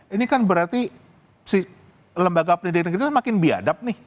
ini kan berarti lembaga pendidikan kita makin biadab nih